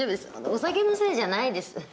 お酒のせいじゃないです。